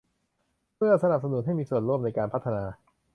เพื่อสนับสนุนให้มีส่วนร่วมในการพัฒนา